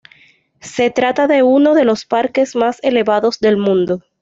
Se trata de uno de los parques más elevados del mundo.